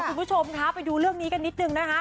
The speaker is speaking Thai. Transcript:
คุณผู้ชมคะไปดูเรื่องนี้กันนิดนึงนะคะ